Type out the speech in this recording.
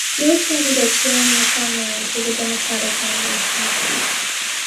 No candidates ran in the primary for the Democratic nomination.